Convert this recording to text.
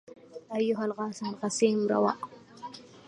أيها القاسم القسيم رواء